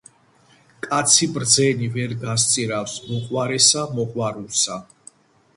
კაცი ბრძენი ვერ გასწირავს მოყვარესა მოყვარულსა